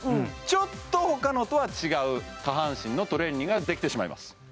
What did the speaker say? ちょっと他のとは違う下半身のトレーニングができてしまいます